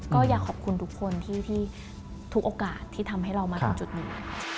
ก็อยากขอบคุณทุกคนที่ทุกโอกาสที่ทำให้เรามาถึงจุดนี้